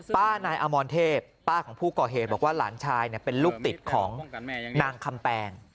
นายอมรเทพป้าของผู้ก่อเหตุบอกว่าหลานชายเป็นลูกติดของนางคำแปง